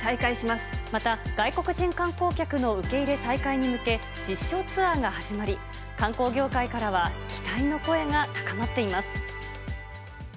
また、外国人観光客の受け入れ再開に向け、実証ツアーが始まり、観光業界からは期待の声が高まっています。